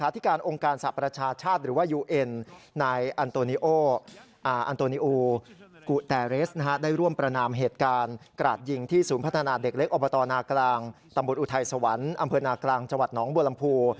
ตำบูรณ์อุทัยสวรรค์อำเภอหน้ากลางจังหวัดน้องบวลัมภู